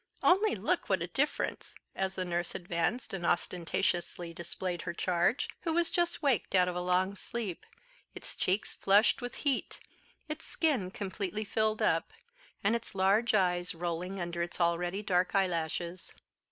Only look what a difference," as the nurse advanced and ostentatiously displayed her charge, who had just waked out of a long sleep; its checks flushed with heat; its skin completely filled up; and its large eyes rolling under its already dark eyelashes.